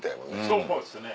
そうですね。